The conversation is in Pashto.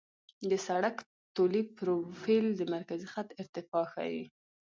د سړک طولي پروفیل د مرکزي خط ارتفاع ښيي